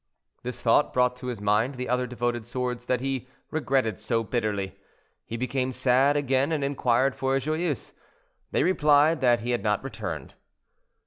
This thought brought to his mind the other devoted swords that he regretted so bitterly. He became sad again, and inquired for Joyeuse. They replied that he had not returned.